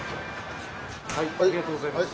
ありがとうございます。